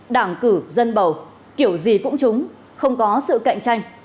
đảng cử dân bầu kiểu gì cũng chúng không có sự cạnh tranh